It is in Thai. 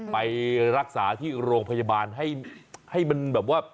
ไปรักษาที่โรงพยาบาลให้มันแบบว่า